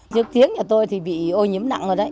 nước tiếng nhà tôi thì bị ô nhiễm nặng rồi đấy